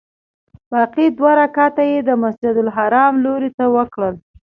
باقي دوه رکعته یې د مسجدالحرام لوري ته وکړل.